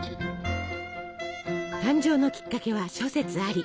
誕生のきっかけは諸説あり。